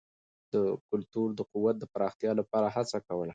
د کلتور د قوت د پراختیا لپاره هڅه کول.